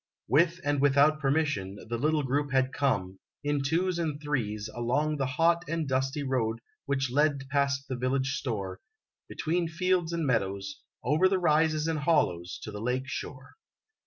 With and without permission, the little group had come, in twos and threes, along the hot and dusty road which led past the village store, between fields and meadows, over the rises and hollows, to the lake shore.